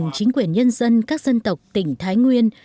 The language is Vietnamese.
chính quyền nhân dân các dân tộc tỉnh thái nguyên